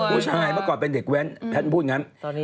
ผู้ชายเมื่อก่อนเป็นเด็กแว้นแพทน์พูดอย่างงั้น